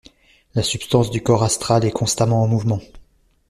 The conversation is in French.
La substance du corps astral est constamment en mouvement.